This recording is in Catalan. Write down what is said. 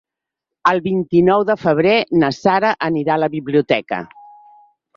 El vint-i-nou de febrer na Sara anirà a la biblioteca.